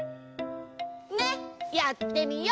ねっやってみよ！